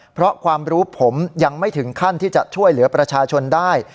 เพราะความรู้ผมยังไม่ถึงขั้นที่จะช่วยเหลือประชาชนได้